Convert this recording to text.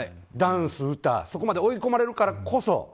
ダンス、歌そこまで追い込まれるからこそ。